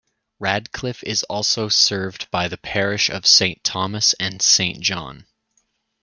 Radcliffe is also served by the Parish of Saint Thomas and Saint John.